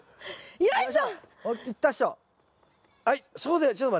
よいしょ！